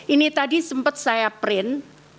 ini tadi sempat saya print